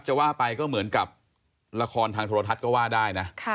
จะว่าไปก็เหมือนกับละครทางโทรทัศน์ก็ว่าได้นะ